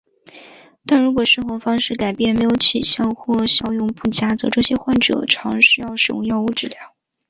但如果生活方式改变没有起效或效用不佳则这些患者常需要使用药物治疗。